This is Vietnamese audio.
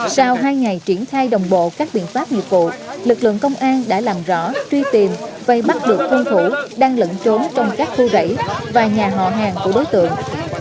sau hai ngày triển khai đồng bộ các biện pháp nghiệp vụ lực lượng công an đã làm rõ truy tìm vây bắt được hung thủ đang lẫn trốn trong các khu rẫy và nhà họ hàng của đối tượng